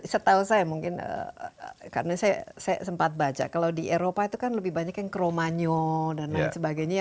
setahu saya mungkin karena saya sempat baca kalau di eropa itu kan lebih banyak yang kromanyo dan lain sebagainya